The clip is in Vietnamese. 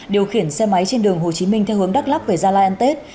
điều khiển xe máy trên đường hồ chí minh theo hướng đắk lắc về gia lai ăn tết